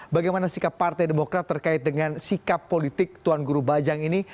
bagaimana sikap partai demokrat terkait dengan sikap politik tuan guru bajang ini